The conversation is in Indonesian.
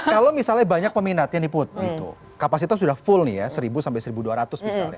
kalau misalnya banyak peminatnya nih put gitu kapasitas sudah full nih ya seribu sampai seribu dua ratus misalnya